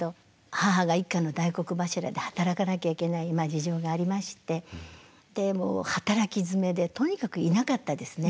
母が一家の大黒柱で働かなきゃいけない事情がありましてでもう働きづめでとにかくいなかったですね。